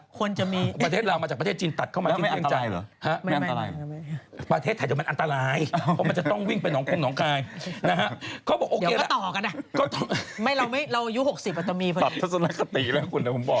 ปรับทศลคติแหละคุณแต่ผมบอก